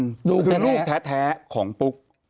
ลูกคือลูกแท้ของปุ๊ก